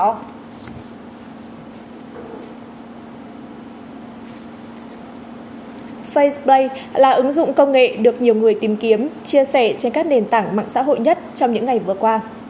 fray là ứng dụng công nghệ được nhiều người tìm kiếm chia sẻ trên các nền tảng mạng xã hội nhất trong những ngày vừa qua